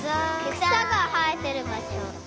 くさがはえてるばしょ。